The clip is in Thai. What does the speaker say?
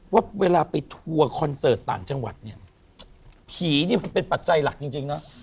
ว่าเวลาไปทัวร์คอนเสิร์ตต่างจังหวัดเนี่ยผีนี่มันเป็นปัจจัยหลักจริงนะ